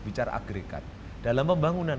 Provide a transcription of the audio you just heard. bicara agregat dalam pembangunan